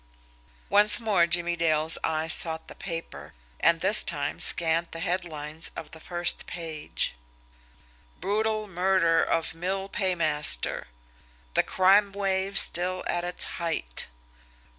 Once more Jimmie Dale's eyes sought the paper, and this time scanned the headlines of the first page: BRUTAL MURDER OF MILL PAYMASTER. THE CRIME WAVE STILL AT ITS HEIGHT.